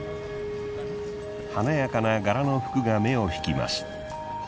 華やかな柄の服が目を引きます。